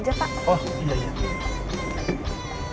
terima kasih ya pak